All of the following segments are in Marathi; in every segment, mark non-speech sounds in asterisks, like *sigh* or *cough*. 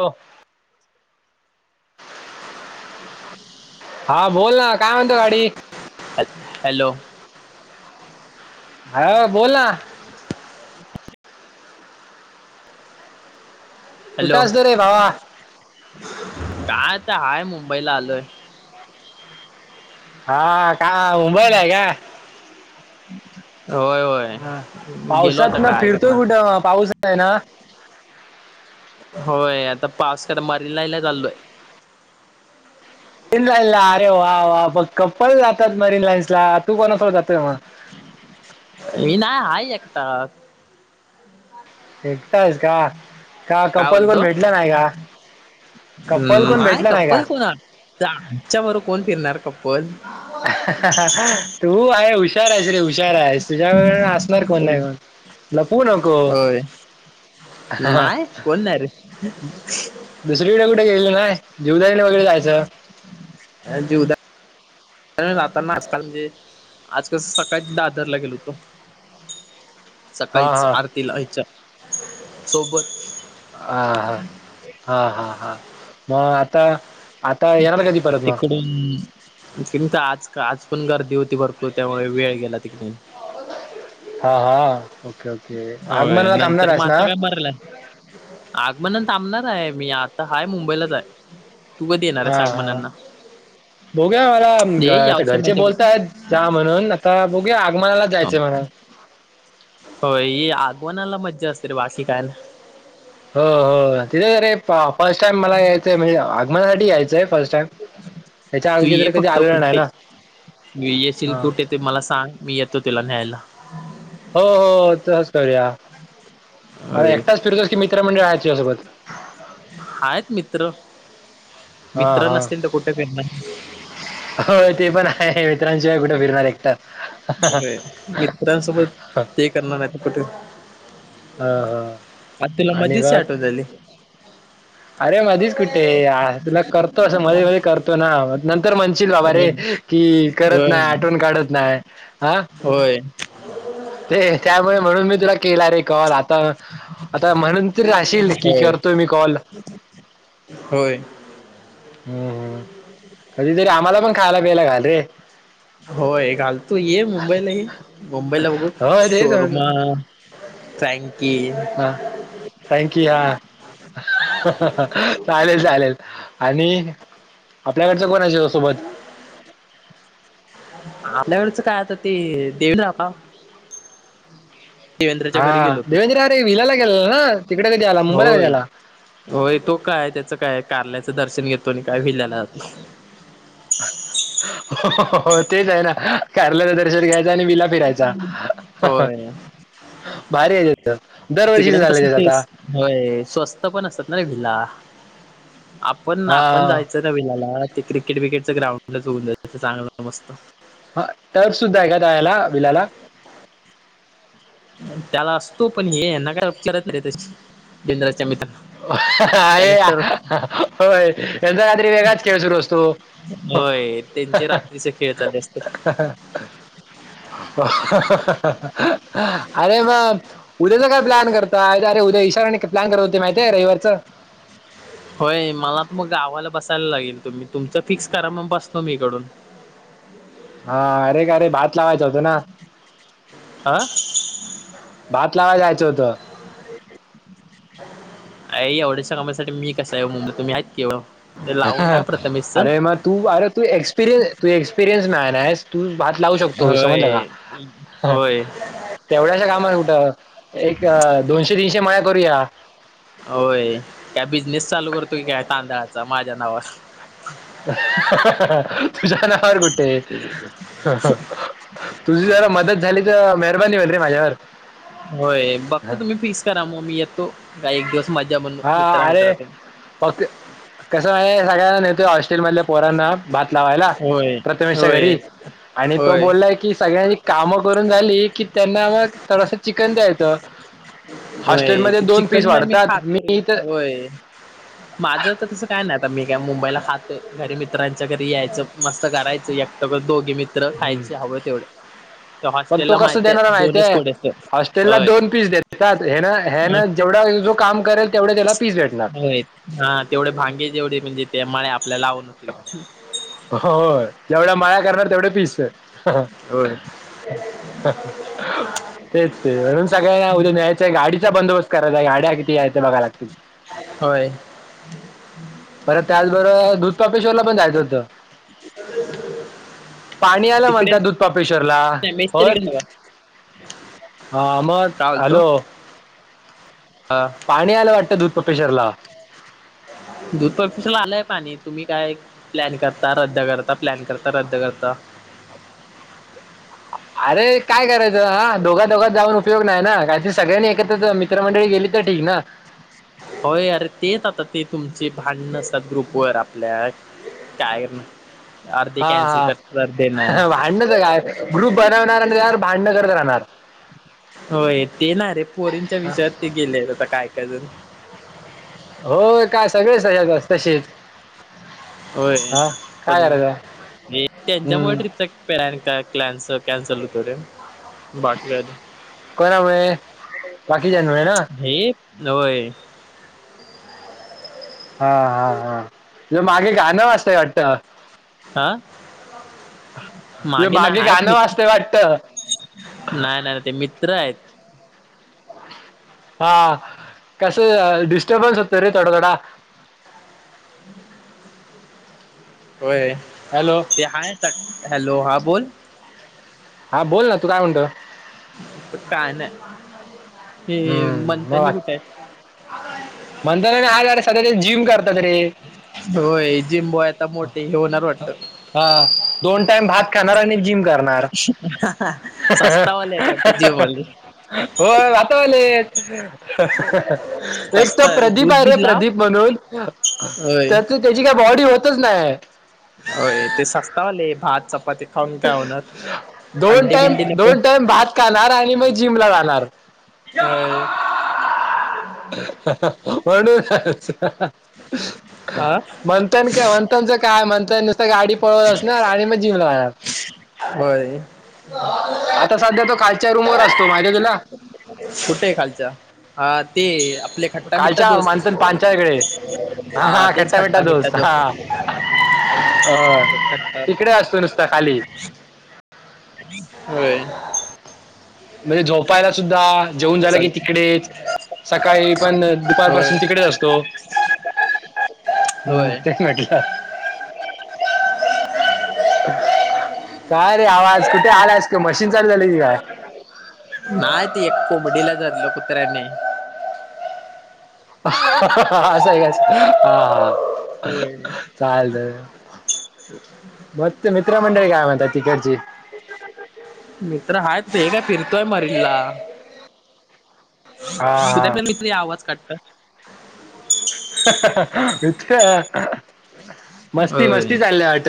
हो. हा बोल ना काय म्हणतो गाडी? हॅलो. हा बोला. कुठं हॅलो असतो रे भावा काय आता हाय मुंबईला आलोय. हा का मुंबईला आहे का? होय हा. होय. गेलो आता पावसात ना काय फिरतोय करणार? कुठं पाऊस आहे ना होय आता पास करा मारी लायला चाललोय. इन लाईन ला अरे वा वा बग कप्पल जातात मन लाईन्स ला तू कोणासोबत जातोय म्हग. ह नाही हाय एकटा. एकटयच का का कपाल पण भेटलं नाही का? कपल हम् कोण आहेय भेटलं नाही का कप्पल कोण आमच्या बरो कोण फिरणार कप्पल हा हा हा, तू आहे उशी हुशार आहेस रे हुशार आहेस तुझ्यासोबत असणार कोण नाही कोण, नको नको. होय आहा हा नाही कोण नाही दुसरीकड कु गेले नाही जीवदानी वगैरे जायचं. त्या राहताना आजकाल म्हणजे आजकाल सकाळी दादरला गेलो होतो. *inaudible* सकाळीच हा आरती आयच्या *inaudible* सोबत ह हा हा हा हा मग आता? आता येणार कधी परत मग तिकडून तर आज आज पण गर्दी दि होती भरपूर त्यामुळे वेळ गेला तिकडे. हा हा ओके ओके होय आगमनाला थांबणार नंतर मग आहेस ना आता काय मरला आग म नंतर थांबणार आहे मी आता हाय मुंबईलाच आहे तू कधी येणार आहेस आगमनाना? बोघूया मला आता घरचे मजा बोलता करू. आहेत जा म्हणून आता बोघूया. आगमनाला जायच म हा. हो आगवनाला मज्जा असते रे बाकी काय ना? हो हो तिथे अरे फर्स्ट टाईम मला यायचंय म्हणजे आगमनासाठी यायचंय फर्स्ट टाइम त्याच्या तू आगे ये तरी कधी फक्त, आलेलं नाही कुठे? ना म येशील हा कुठे ते मला सांग? मी येतो तिला न्यायला. हो हो तच करूया. मला होय एकटाच फिरतोस की मित्र मंडळी आहेत तुझ्यासोबत? आहेत मित्र हा मित्र नसतील तर कुठे फिरणार? आता ते पण आहे मित्रांशिवाय कुठे फिरणार एकटा? मित्रांसोबत ते करणार नाही कुठे? हो हो आत्याला आणि मध्ये बघ साठवलेलं. अरे मधीच कुठे तुला करतो असं मध्ये मध्ये करतो ना नंतर म्हणशील बाबा रे होय. कि करत होय, नाही आठवण काढत नाही हा. होय. ते त्यामुळे म्हणून मी तुला केला रे कॉल आता आता म्हणून त राहशील की होय, करतोय मी कॉल. होय. हम्म हम्म कधीतरी आम्हाला पण खायला पियला घाल रे. होय घालतू ये मुंबईलाही मुंबईला बघू हो तेच म्हणतो शोरमा थॅँक यी. संकी हा हहह हाह चालेल चालेल. आणि आपल्याकडचं कोणा आहे सोबत? *unintelligible* काय आता ते देऊन *unintelligible* हा देवेंद्र अरे विलाला गेला ना तिकडे कधी आला मुंबईला कधी होय, आला. होय तो काय, त्याचं काय आहे. कारल्याचं दर्शन घेतो आणि काय विल्याला जातो. हो हो तेच आहे ना कारल्याच दर्शन घ्या आणि वीला फिरायचा हाह. होय भारी आहे त्याच दरवर्षीच तिकडेन चालंय कसं त्याच तेच आता. होय स्वस्त पण असतात ना रे भिला. आपण आपण हा जायचं ना विलाला ते क्रिकेट बिकेटचं ग्राउंडच होऊन जायचं चांगलं मस्त हा तर्फ सुद्धा आहे का रायला विलाला त्याला असतो पण हे ना काय *unintelligible* जंद्राच्या मित्रांना हाह त्याने हाह तर हह अ होय यांचा रात्री वेगळाच खेळ सुरू अस तो. होय त्यांचे रात्रीचे खेळ चालले असतील. हा हाहा हह हाह अरे म उद्याचा काय प्लॅन करताय अरे उदया प्लॅन करत होते माहिती आहे रविवारचं. होय मला त मग गावाला बसायला लागेल तुम्ही तुमच फिक्स करा मग बसतो मी इकडून हा अरे कारे भात लावायच होत ना अ भात लावाय जायचं. *unintelligible* आहे एवढ्याश्या कामासाठी मी कस आहे मुंबईत तुम्ही आहेत की ओ हा हा अरे मग तू अरे तू एक्सपेरियस तू एक्सपेरियन्स मॅन आहेस तू च व्हय व्हय तेवढ्याशा कामात कुठं एक दोनशे तीनशे मळ्या करूया होय काय बिझनेस चालू करतो की काय तांदळाचा माझ्या नावावर. हा हा तुझ्या नाववर कुठे हा तुझ्या मदत झाली तर मेहरबानी होईल रे माझ्यावर होय बघतो तुम्ही फिक्स करा मग मी येतो का एक दिवस मजा म्हणू हा मित्रां मित्रां अरे ते फक्त हॉस्टेल मधल्या पोरांना भात लावायला होय प्रथमेशच्या होय घरी आणि तो होय बोललाय की सगळ्यांनी काम करून झाली की त्यांना मग थोडस चिकन द्यायचं. हॉस्टेलमध्ये दोन पीस वाढतात. मी इथं व्हय माझं तर तस काय नाय आता मी काय मुंबईला खातोय घरी मित्रां त्याच्या घरी यायचं, मस्त करायचं, एकट दोघी मित्र खायचे हवं तेवढे, त्या पण तो हॉस्टेलला कस माहिती देणारा आहे दोनच माहतीय कोडे असत हॉस्टेल ला होय दोन पीस देतात हे ना ह्यांना जेवढा जो काम करेल तेवढं त्याला पीस भेटणार व्हय हा तेवढे भांगे जेवढे म्हणजे? ते मळ्या आपल्या लावून होतील. हो जेवढ्या मळ्या करणार तेवढे पिस होय. ह - हं ह तेच ते म्हणून सगळ्या या उद्या मॅच आहे, गाडीचा बंदोबस्त करायला गाड्या किती आहेत. ते बघाय लागतील. होय बरं त्याचबरोबर दुधपापेश्वरला पण जायचं होत पाणी. याला तिकडे म्हणतात दूध पपेश्वरला, नाही, मेस तर होय इकडे नाही. हा मग? काय बोलतो हॅलो अ, पाणी आलं वाटतं दूध पपेश्वरला दूध पपेश्वरला आलय. पाणी तुम्ही काय प्लॅन करता, रद्द करता, प्लॅन करता, रद्द करता, अरे काय करायचं हा दोघा दोघात जाऊन उपयोग नाही ना ऍडजस्हा सगळ्यांनी एकत्रच मित्रमंडळी गेली तर ठीक ना! होय अरे, तेच आता ते तुमचे भांडण असतात ग्रुपवर आपल्या. काय करणार. अर्धी हा कॅन्सल हा करतात की नाय, भांडणच काय ग्रुप बनवणार आणि त्यावर भांडणं करत राहणार होय ते ना रे पोरींच्या विषयात ते गेले आता काय काय जण. होय काय सगळे सगळ्यात जात तशेच. होय पण करायचं त्यांच्यामुळे हम्म ट्रिपचा प्लॅन काय क्लॅनस कॅन्सल होतोय रे! बाकी काय नाही. कोणा मुळे, हे न्हवं, हा हा हा तुझा पमागे गाणं वाचतंय वाटत, हा तुझं मागे ना आहेच गाणं मी वाजतंय वाटतं नाही नाही ते मित्र आहेत. हा कसं डिस्टर्बच होत रे थोडा थोडा, *inaudible* होय हॅलो ते हाय ता, हॅलो हा बोल. हा बोल ना, तू काय म्हणतो? काय नाही हे हम्म म वा मंथनी कुठे मंदार आणि *unintelligible* होय जिम्बो आहे. आता मोठे हे होणार वाटत, हा दोन टाइम भात खाणार, आणि जिम करणार. तू बोली, हो आता आले. अहह एक तर सस्ता प्रदीप दूध आहे. रे बीध लाव प्रदीप म्हणून, होय त्यातन त्याची काय बॉडी होतच नाय होय ते सस्तावले भात चपाती, खाऊन काय होणार दोन अंडी टाईम, बिंडी नको दोन टाईम भात खाणार आणि मग जिम ला जाणार. अय अह़ह म्हणूनच, आ मंथन काय मंथनचं काय मंथन नुसत गाडी पळवत असणार, आणि मग जिमला ला जाणार. व्हय, आता सध्या खालच्या रूमवर अस कुठे हे खालच्या, हा ते आपले खट्टा - मिठठा कालच्या दोस्त मंथन पांचाकडे हा, तेच खट्टा- मिठठा दोस्त. अ तिकडे असतो नुसता खाली. होय! म्हणजे झोपायला सुद्धाआ, जेऊन झालं की चल तिकडेच सकाळी, पण दुपार होय पाासून तिकडेच असतो, हम् होय तेच म्हटल, काय रे, आवाज कुठे आलायस तू मशीन चालू झाली की काय, नाही ते एक कोंबडीला धरलं कुत्र्यांनी, असं हे का हा होय चालतंय, मस्त मित्रमंडळी काय म्हनता तिकडची, हे काय फिरतोय मरीनला, हा कुठ हा पण मी तुया आवाज काढत, इथ *unintelligible* मस्ती मस्ती चालल्या वाट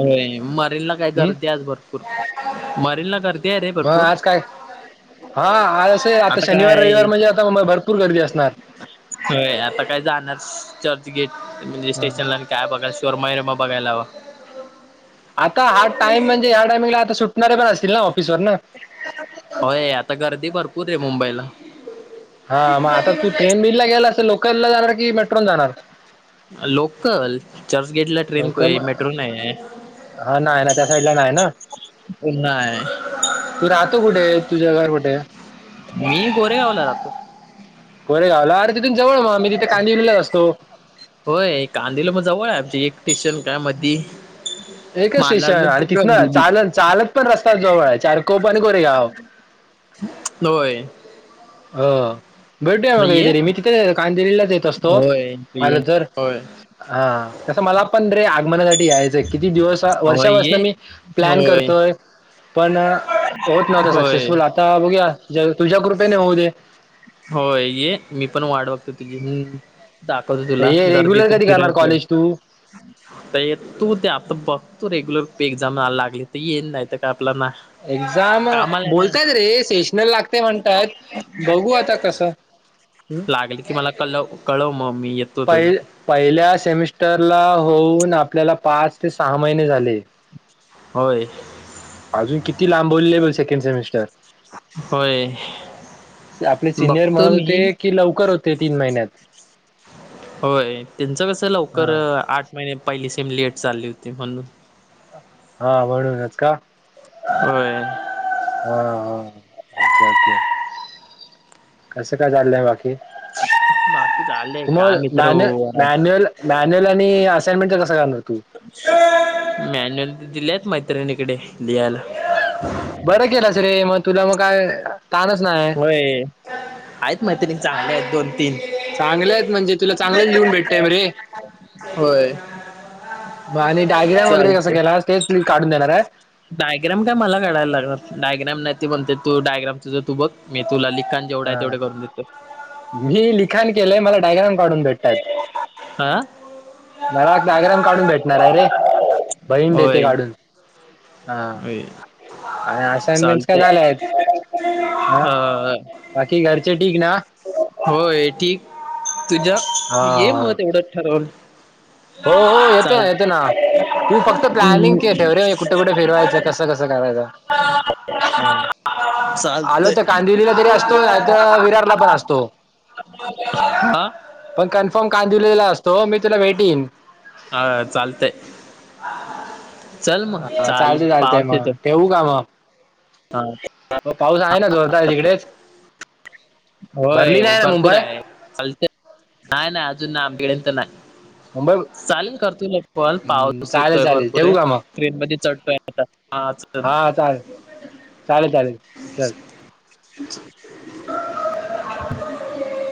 अरे मरीनला काय हम्म गर्दी आज भरपूर मरीनला गर् ते रे मग भरपूर, आज काय हा आज असही आता शनिवार रविवार म्हणजे आता भरपूर गर्दी असणार, होय आता काय जाणार, चर्च गेट म्हणजे हा स्टेशनला आणि काय बघायला शोरमयरमा बघायला हवा, आता हा टाइम म्हणजे ह्या टाइमिंगला आता सुटणारे पण असतील ना हो, होय आता गर्दी भरपूर आहे. मुंबईला हा मग आता तू ट्रेन बिल ला गेला असल लोकल ला जाणार की मेट्रो न जाणार. लोकल चर्चगेट ला ट्रेन लोकल क्वे मेट्रो नाही हे ईडला नाही ना तू राहतो कुठे तुझ घर कुठे. मी गोरे गावला राहतो. कोरे गावला अरे तिथून जवळ मग मी तिथे कांदेविन लांच असतो. एकक्ट्रिशन कामध्येध ह् एकच स्टेशन आणि तिथनं चाल चालत पण रस्ता जवळ आहे चार कोोप आणि कोरेगाव होय ह भेटूया मग कधतरी मी तिथे कांदेरीलाच येत असतो होय तू ये आलं जर होय हा तसं मला पण रे आगमनासाठी यायचंय किती दिवस होय वर्षापासन ये मी प्लॅन होय करतो पण होत नव्हत होय सक्सेसफुल आता बघूया तुझ्या रुपये ने होऊ आहे होय ये मी पण वाढ बघते तुझी हं. दाखवतो तुला हे रेग्युलर गर्दीतून कधी करणार फिरवतो कॉलेज तू? तर तू ते आता बघ तो रेग्युलर एक्झामयला लागली तर येईन नाही तर काय आपला ना एक्झाम बोलतायात रे सेशनल लाग हं. लागल की मला कल कळव मग मी येतो तो पहि पहिल्या सेमिस्टरला होऊन आपल्याला पाच ते सहा महिने झाले होय अजून किती लांबव ब सेकंड सेमिस्टर होय आपले सिनियर बघतो म्हणत मी होते कि लवकर होते तीन महिन्यात होय त्यांच कसं? लवकर हां. आठ महिने पहिली सेम लेट चालली होती म्हणून हा म्हणूनच का हो हा हा ओके ओके कस काय चाललंय बाकी बाकी चाललंय काय मग मित्र मॅन्यु मॅन्युअल मॅन्युअल आणि असइनमेंट कस करणार तू मॅन्युअल दिलेत मैत्रिणीकडे लिहायला बरं केलंच रे मग तुला मग काय ताणच नाही होय आहेत मैत्रिणी चांगले आहेत दोन चांगले आहेत म्हणजे तुला चांगलंच लिहून भेटतय रे होय आणि डायग्राम वगैरे कसा चालते केला तेच क्लिक काढून देणार आहे डायग्राम का मला काायला लागणार डायग्राम नाही ते म्हणते तू डायग्राम त तू बघ मी तुला ल हा मी लिखान के मला डायग्राम काढून भेटतात हा मलाता आग्राम काढून भेटणार आहे रे बहीण देते होय काढून हा अ आणि चालत असाइनमेंट्स काय झाल्या आहेत हा बाकी घरचे ठीक ना होय ठीक तुझ्या हा ये हा मग एवढंच ठरवून हो हो येतो ना चाल येतो ना तू फक्त प्लॅनिंग के हम्म ठेवे कुठे कुठे फिरव करायचा कस कसं करायचं? हा *unintelligible* चालत आलो तर कांदिवलीला तरी असतो नाही तर विरारला पण असतो आा दिलेला असतो मी तुला भेटीन अा चालतंय चल मग हा चाल चालत चालत पाऊस म येतो ठवू काम हा हो पाऊस आहे ना जोरद आहे तिकडेच भरली होय नाही ना भरपूर मुंबई आहे कल नाही नाही अजून ना गेळे तर नाही मुंबई चालेल करतोय लपल हम्म, पाऊस चालेल येतोय चालेल भरपूरे ठेवू का मग ट्रेन मध्ये चढतोय आता हा चालेल चालेल चालेल चाल *inaudible*